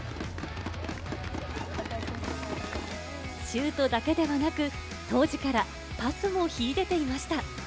シュートだけではなく、当時からパスも秀でていました。